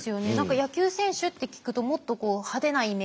野球選手って聞くともっと派手なイメージありますよね。